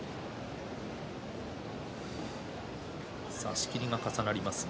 仕切りが重なります。